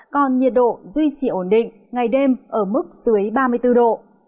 còn nhiệt độ duy trì ổn định ngày đêm ở mức dưới ba mươi bốn độ